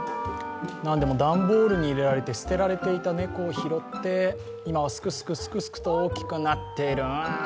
何でも段ボールに入れられて捨てられていた猫を拾って今はすくすくと大きくなっている。